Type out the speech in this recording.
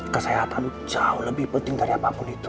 kesehatan jauh lebih penting dari apapun itu